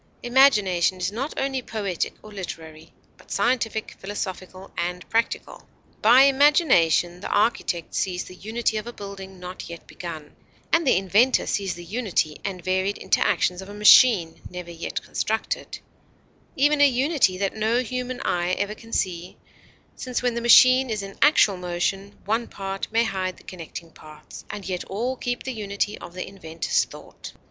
Imagination is not only poetic or literary, but scientific, philosophical, and practical. By imagination the architect sees the unity of a building not yet begun, and the inventor sees the unity and varied interactions of a machine never yet constructed, even a unity that no human eye ever can see, since when the machine is in actual motion, one part may hide the connecting parts, and yet all keep the unity of the inventor's thought.